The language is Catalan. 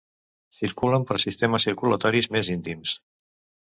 Circulen pels sistemes circulatoris més íntims.